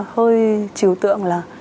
hơi chiều tượng là